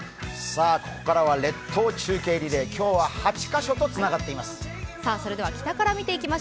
ここからは列島中継リレー、８カ所とつながっています。